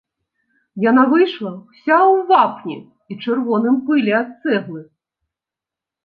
Яна выйшла ўся ў вапне і чырвоным пыле ад цэглы.